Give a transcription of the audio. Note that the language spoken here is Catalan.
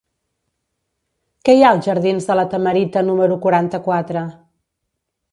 Què hi ha als jardins de La Tamarita número quaranta-quatre?